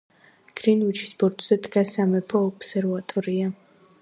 გრინვიჩის ბორცვზე დგას სამეფო ობსერვატორია.